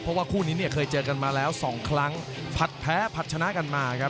เพราะว่าคู่นี้เนี่ยเคยเจอกันมาแล้วสองครั้งผลัดแพ้ผัดชนะกันมาครับ